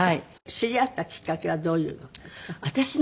知り合ったきっかけはどういうのですか？